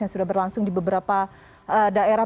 yang sudah berlangsung di beberapa daerah